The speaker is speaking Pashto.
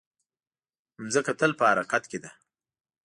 مځکه تل په حرکت کې ده.